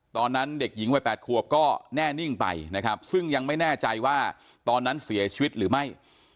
ตอนนั้นเด็กหญิงวัย๘ขวบก็แน่นิ่งไปนะครับซึ่งยังไม่แน่ใจว่าตอนนั้นเสียชีวิตหรือไม่